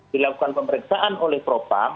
dilakukan pemeriksaan oleh propam